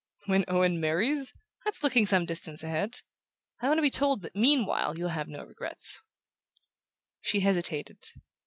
"When Owen marries? That's looking some distance ahead! I want to be told that meanwhile you'll have no regrets." She hesitated.